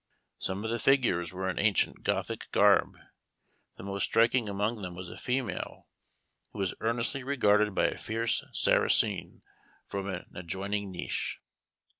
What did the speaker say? Some of the figures were in ancient Gothic garb; the most striking among them was a female, who was earnestly regarded by a fierce Saracen from an adjoining niche.